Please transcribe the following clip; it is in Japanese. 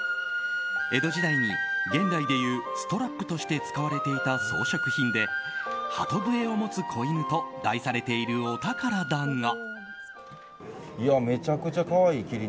江戸時代に現代でいうストラップとして使われていた装飾品で「鳩笛を持つ子犬」と題されているお宝だが。